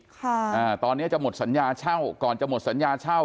ค่ะอ่าตอนเนี้ยจะหมดสัญญาเช่าก่อนจะหมดสัญญาเช่า